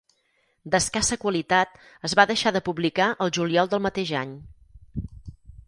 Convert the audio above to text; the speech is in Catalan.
D'escassa qualitat, es va deixar de publicar el juliol del mateix any.